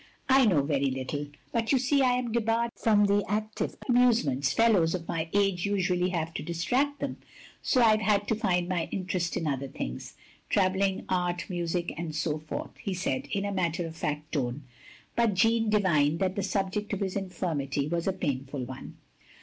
" I know very little ; but you see I am debarred from the active amusements fellows of my age usually have to distract them, so I 've had to find my interest in other things ; travelling, art, music, and so forth, " he said, in a matter of fact tone, but Jeanne divined that the subject of his infirmity was a painful one.